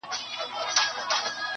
نوي نسلونه پوښتني کوي ډېر,